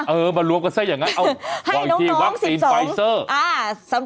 เออมารวมกันซะอย่างนั้น